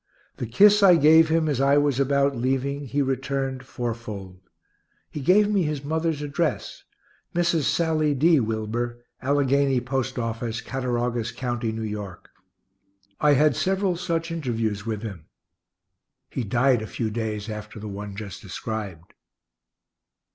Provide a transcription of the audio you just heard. The kiss I gave him as I was about leaving, he returned fourfold. He gave me his mother's address, Mrs. Sally D. Wilber, Alleghany post office, Cattaraugus county, N. Y. I had several such interviews with him. He died a few days after the one just described.